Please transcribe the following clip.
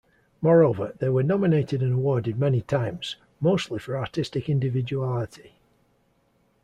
Moreover, they were nominated and awarded many times - mostly for artistic individuality.